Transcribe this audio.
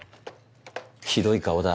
ひどい顔だ。